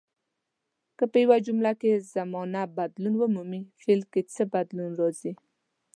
که په یوه جمله کې زمانه بدلون ومومي فعل کې څه بدلون راځي.